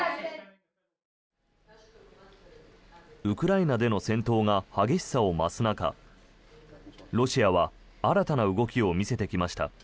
ウクライナでの戦闘が激しさを増す中ロシアは新たな動きを見せてきました。